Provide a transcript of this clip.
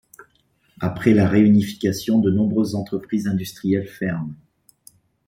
Après la réunification, de nombreuses entreprises industrielles ferment.